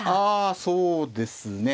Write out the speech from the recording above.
ああそうですね。